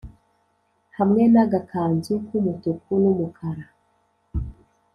Hamwe nagakanzu kumutuku numukara